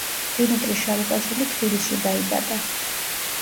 დიმიტრი შალიკაშვილი თბილისში დაიბადა.